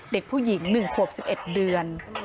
เด็กผู้หญิง๑ขวบ๑๑เดือน